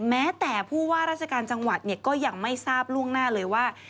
แม้แต่ผู้ว่าราชการจังหวัดก็ยังไม่ทราบล่วงหน้าเลยว่า